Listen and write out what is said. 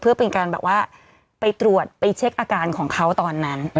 เพื่อไปเป็นการไปตรวจเช็คอาการของเขาตอนนั้น